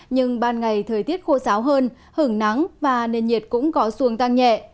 nhưng ban ngày thời tiết khô sáo hơn hưởng nắng và nền nhiệt cũng có xuồng tăng nhẹ